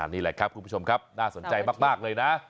นี่แหละครับคุณผู้ชมครับน่าสนใจมากเลยนะ